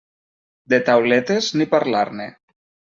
De tauletes ni parlar-ne.